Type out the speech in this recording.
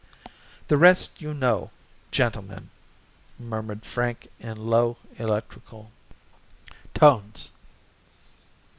The rest you know, gentlemen," murmured Frank in low, electrical tones.